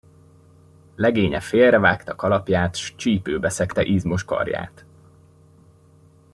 Legénye félrevágta kalapját s csípőbe szegte izmos karját.